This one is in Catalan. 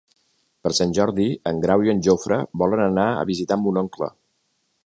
Per Sant Jordi en Grau i en Jofre volen anar a visitar mon oncle.